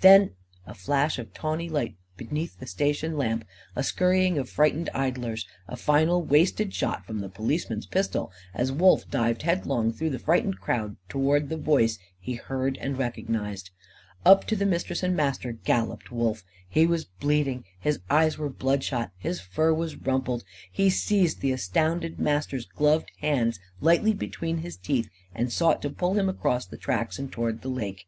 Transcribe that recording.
Then " A flash of tawny light beneath the station lamp, a scurrying of frightened idlers, a final wasted shot from the policeman's pistol, as Wolf dived headlong through the frightened crowd towards the voice he heard and recognised. Up to the Mistress and the Master galloped Wolf. He was bleeding, his eyes were bloodshot, his fur was rumpled. He seized the astounded Master's gloved hand lightly between his teeth and sought to pull him across the tracks and towards the lake.